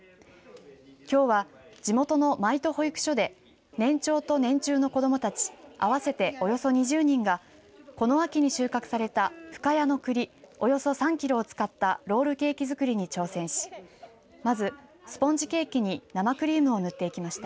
きょうは地元の舞戸保育所で年長と年中の子どもたち合わせておよそ２０人がこの秋に収穫された深谷の栗およそ３キロを使ったロールケーキ作りに挑戦しまず、スポンジケーキに生クリームを塗っていきました。